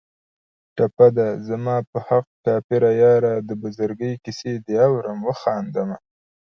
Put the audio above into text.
ټپه ده: زما په حق کافره یاره د بزرګۍ کیسې دې اورم و خاندمه